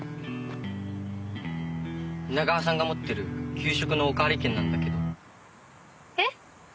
皆川さんが持ってる給食のおかわり券なんだけど。えっ？